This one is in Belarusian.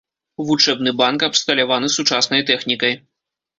Вучэбны банк абсталяваны сучаснай тэхнікай.